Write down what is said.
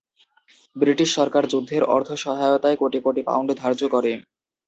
British সরকার যুদ্ধের অর্থ সহায়তায় কোটি কোটি পাউন্ড ধার্য করে।